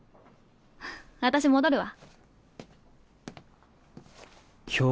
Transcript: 私戻るわ。